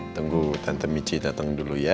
tunggu tante michi datang dulu ya